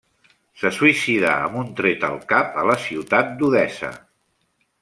Se suïcidà amb un tret al cap a la ciutat d'Odessa.